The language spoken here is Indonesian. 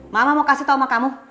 mama mau kasih tahu sama kamu